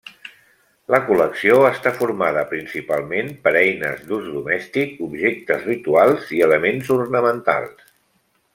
La col·lecció està formada principalment per eines d'ús domèstic, objectes rituals i elements ornamentals.